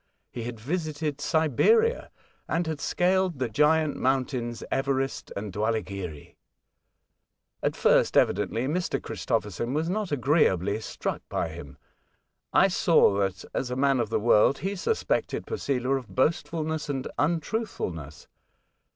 He had visited Siberia, and had scaled the giant moun / tains Everest andDwahghiri. At first, evidently,! Mr. Christophers on was not agreeably strucl by him. I saw that, as a man of the world, h< suspected Posela of boastfulness and untruth , fulness.